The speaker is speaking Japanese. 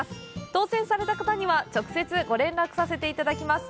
当せんされた方には、直接ご連絡させていただきます。